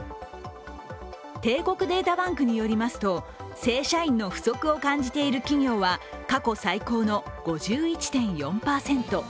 帝国データバンクによりますと、正社員の不足を感じている企業は過去最高の５１．４％。